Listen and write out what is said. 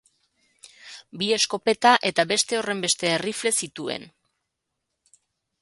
Bi eskopeta eta beste horrenbeste errifle zituen.